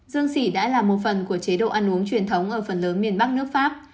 dương sỉ đã là một phần của chế độ ăn uống truyền thống ở phần lớn miền bắc nước pháp